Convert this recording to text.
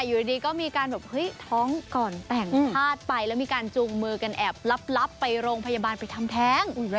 อยู่ดีก็มีการแบบเฮ้ยท้องก่อนแต่งพลาดไปแล้วมีการจูงมือกันแอบลับไปโรงพยาบาลไปทำแท้ง